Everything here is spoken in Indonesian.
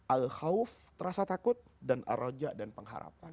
al khawf terasa takut dan al roja dan pengharapan